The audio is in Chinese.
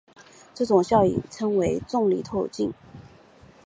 这种效应称为重力透镜。